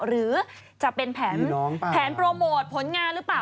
หรือจะเป็นแผนโปรโมทผลงานหรือเปล่า